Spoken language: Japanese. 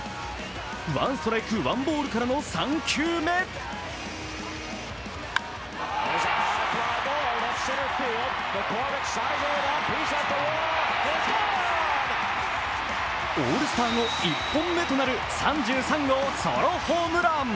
ワンストライク・ワンボールからの３球目オールスター後、１本目となる３３号ソロホームラン。